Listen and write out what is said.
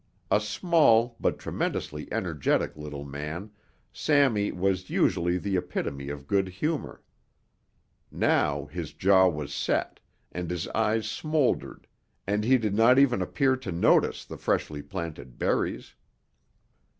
A small but tremendously energetic little man, Sammy was usually the epitome of good humor. Now his jaw was set, and his eyes smoldered and he did not even appear to notice the freshly planted berries.